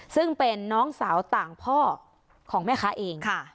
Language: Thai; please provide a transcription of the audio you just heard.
ซึ่งเป็นน้องสาวต่างพ่อของแม่ค้าเอง